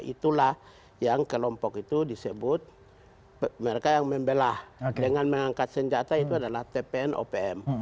itulah yang kelompok itu disebut mereka yang membelah dengan mengangkat senjata itu adalah tpn opm